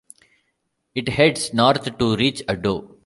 It heads north to reach Addo.